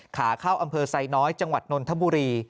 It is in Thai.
ขาเข้าอำเภอไซน้อยจังหวัดนนทบุรี